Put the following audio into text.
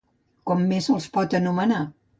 Com més se'ls pot anomenar?